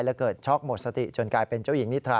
และเกิดช็อกหมดสติจนกลายเป็นเจ้าหญิงนิทรา